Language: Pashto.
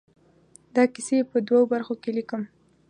دا کیسې په دوو برخو کې ليکم.